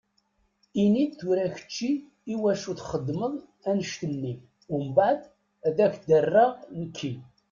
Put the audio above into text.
Ini-d tura kečči iwacu i txedmeḍ annect-nni, umbaɛed ad ak-d-rreɣ nekki.